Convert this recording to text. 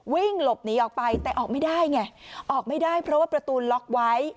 วิ่งหลบหนีออกไปแต่ออกไม่ได้ไงออกไม่ได้เพราะว่าประตูล็อกไว้